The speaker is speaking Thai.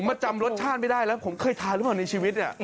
มาจำรสชาติไม่ได้แล้วผมเคยทานหรือเปล่าในชีวิตเนี่ย